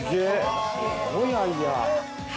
◆すごいアイデア。